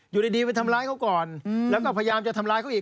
อยู่ดีไปทำร้ายเขาก่อนแล้วก็พยายามจะทำร้ายเขาอีก